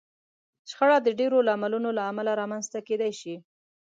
شخړه د ډېرو لاملونو له امله رامنځته کېدای شي.